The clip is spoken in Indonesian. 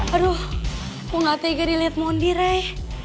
aduh gue gak tega dilihat mondi rey